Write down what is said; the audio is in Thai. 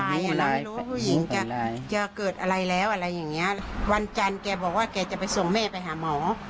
เราไม่รู้ว่าผู้หญิงจะเกิดอะไรแล้วอะไรอย่างเงี้ยวันจันทร์แกบอกว่าแกจะไปส่งแม่ไปหาหมอ